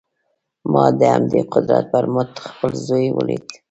ما د همدې قدرت پر مټ خپل زوی وليد.